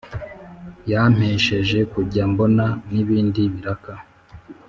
yampesheje kujya mbona n’ibindi biraka